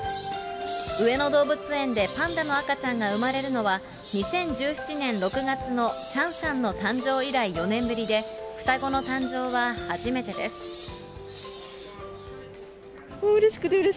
上野動物園でパンダの赤ちゃんが産まれるのは、２０１７年６月のシャンシャンの誕生以来４年ぶりで、双子の誕生は初めてです。